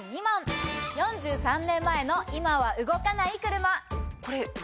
４３年前の今は動かない車。